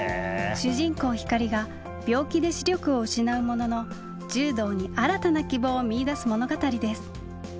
主人公光が病気で視力を失うものの柔道に新たな希望を見いだす物語です。